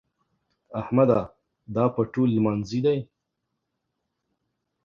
احمده! دا پټو لمانځي دی؟